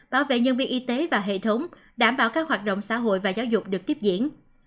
bảo vệ nhân viên y tế và hệ thống đảm bảo các hoạt động xã hội và giáo dục được tiếp diễn